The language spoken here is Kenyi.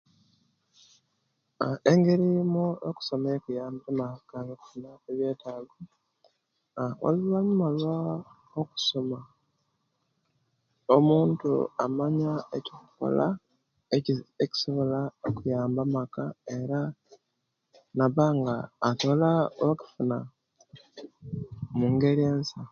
Aah Engeri mu okusoma owekuyambire okufuna ebyetago oluvanyuma lwa lwakusoma omuntu amanya okukola eki ekisobola okuyamba amaka era nabanga atola okufuna mungeri ensa